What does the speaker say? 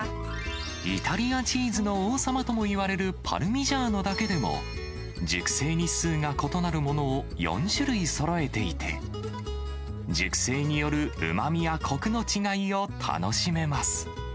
イタリアチーズの王様ともいわれるパルミジャーノだけでも、熟成日数が異なるものを４種類そろえていて、熟成によるうまみやこくの違いを楽しめます。